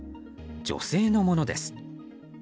女性のものです。